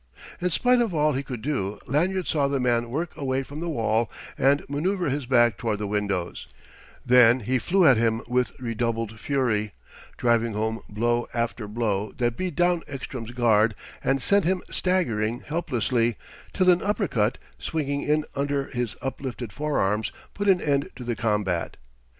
In spite of all he could do Lanyard saw the man work away from the wall and manoeuvre his back toward the windows; then he flew at him with redoubled fury, driving home blow after blow that beat down Ekstrom's guard and sent him staggering helplessly, till an uppercut, swinging in under his uplifted forearms, put an end to the combat.